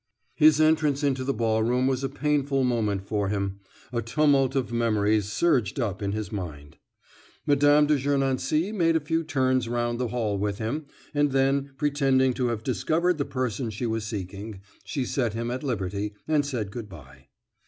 His entrance into the ballroom was a painful moment for him; a tumult of memories surged up in his mind. Mme. de Gernancé made a few turns round the hall with him, and then, pretending to have discovered the person she was seeking, she set him at liberty and said good bye.